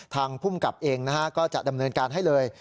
ทางภูมิกับเองนะฮะก็จะดำเนินการให้เลย